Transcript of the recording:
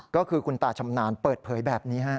ก็คือคุณตาชำนาญเปิดเผยแบบนี้ฮะ